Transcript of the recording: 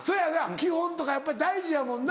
基本とかやっぱり大事やもんな。